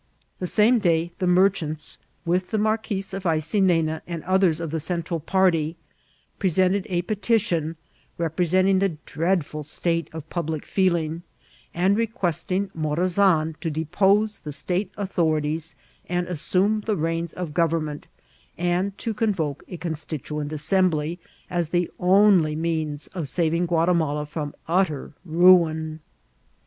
The same day tiie merchants, with the Bfarquis of Aycinena and od^rs of the Central party, presented a petiticm lepte* sentingthe dreadful state of public feeling, and request ing Moraaan to depose the state authorities and assume the reins of government, and to convdie a Constituent Assembly, as the only means of saving GKmtimala firom atter ruin.